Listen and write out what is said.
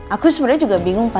aku sebenarnya juga bingung pak